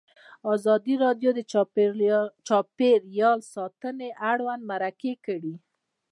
ازادي راډیو د چاپیریال ساتنه اړوند مرکې کړي.